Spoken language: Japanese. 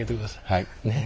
はい。